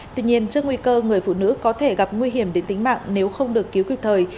tuy nhiên trước nguy cơ người phụ nữ có thể gặp nguy hiểm đến tính mạng nếu không được cứu kịp thời